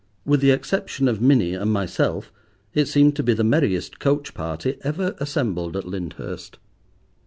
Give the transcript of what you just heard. With the exception of Minnie and myself, it seemed to be the merriest coach party ever assembled at Lyndhurst.